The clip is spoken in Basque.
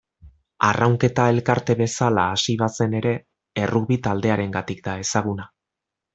Arraunketa elkarte bezala hasi bazen ere errugbi taldearengatik da ezaguna.